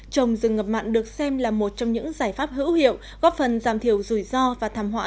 trồng rừng ngập mặn được xem là một trong những giải pháp hữu hiệu góp phần giảm thiểu rủi ro và thảm họa